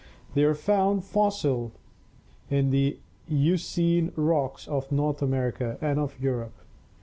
They are found fossil in the Eocene rocks of North America and of Europe.